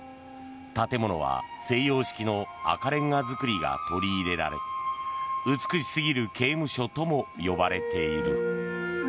建物は西洋式の赤レンガ造りが取り入れられ美しすぎる刑務所とも呼ばれている。